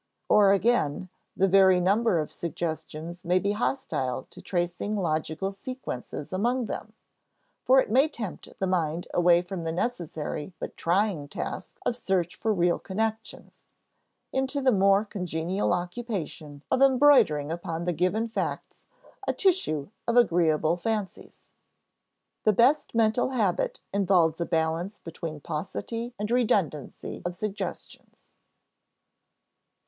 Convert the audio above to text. Or again, the very number of suggestions may be hostile to tracing logical sequences among them, for it may tempt the mind away from the necessary but trying task of search for real connections, into the more congenial occupation of embroidering upon the given facts a tissue of agreeable fancies. The best mental habit involves a balance between paucity and redundancy of suggestions.